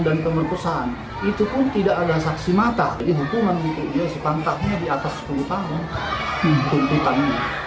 dan kemerkusan itu pun tidak ada saksi mata jadi hukuman untuk jaksa penuntut umum sekangkaknya di atas sepuluh tahun